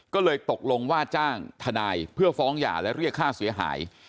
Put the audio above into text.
ก็เลยตกลงว่าจ้างทนายเพื่อฟ้องหย่าและเรียกค่าเสียหาย